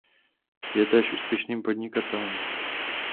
Je též úspěšným podnikatelem.